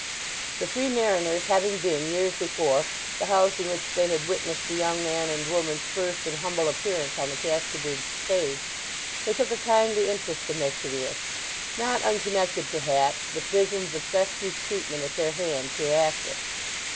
The Three Mariners having been, years before, the house in which they had witnessed the young man and woman's first and humble appearance on the Casterbridge stage, they took a kindly interest in their career, not unconnected, perhaps, with visions of festive treatment at their hands hereafter.